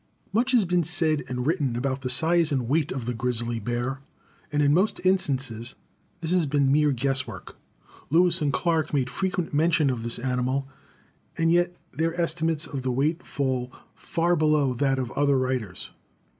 Much has been said and written about the size and weight of the grizzly bear, and in most instances this has been mere guesswork. Lewis and Clark made frequent mention of this animal, and yet their estimates of the weight fall far below that of other writers.